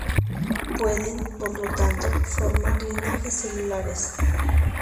Pueden, por lo tanto, formar linajes celulares.